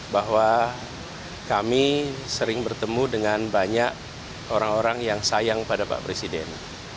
bahwa kami sering bertemu dengan banyak orang orang yang sayang pada pak presiden